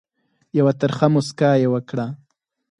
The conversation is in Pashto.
یوه ترخه مُسکا یې وکړه.